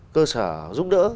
cơ sở giúp đỡ